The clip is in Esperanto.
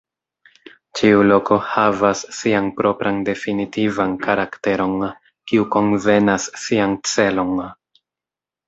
Ĉiu loko havas sian propran definitivan karakteron kiu konvenas sian celon.